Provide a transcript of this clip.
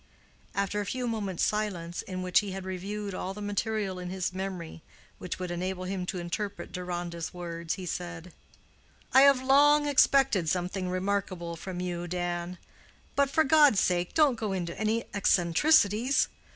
After a few moments' silence, in which he had reviewed all the material in his memory which would enable him to interpret Deronda's words, he said, "I have long expected something remarkable from you, Dan; but, for God's sake, don't go into any eccentricities!